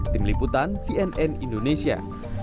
tim liputan cnn indonesia